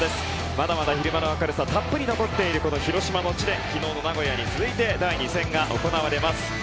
まだまだ昼間の明るさたっぷり残っている広島の地で昨日の名古屋に続いて第２戦が行われます。